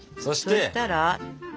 そしたら。